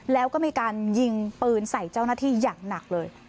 แล้วก็มีการยิงปืนใส่เจ้าหน้าที่อย่างหนักเลย